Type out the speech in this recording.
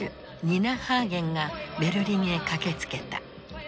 ニナ・ハーゲンがベルリンへ駆けつけた。